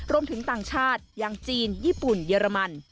รวมถึงต่างชาติอย่างจีนญี่ปุ่นเยอรมัน